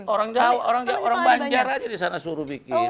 orang orang banjar aja disana suruh bikin